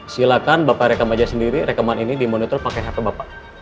silakan bapak rekam aja sendiri rekaman ini dimonitor pakai harta bapak